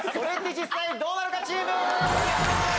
実際どうなの課チーム」。